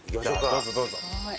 どうぞどうぞ。